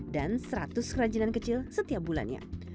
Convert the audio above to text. dan seratus kerajinan kecil setiap bulannya